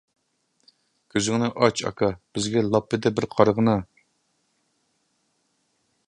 كۆزۈڭنى ئاچ، ئاكا، بىزگە لاپپىدە بىر قارىغىنا!